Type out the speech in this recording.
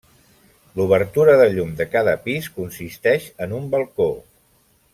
L'obertura de llum de cada pis consisteix en un balcó.